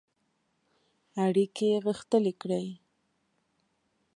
اړیکي غښتلي کړي.